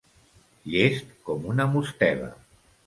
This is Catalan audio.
Llest com una mostela.